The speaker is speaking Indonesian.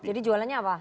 jadi jualannya apa